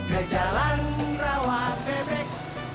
kejalan rawat bebek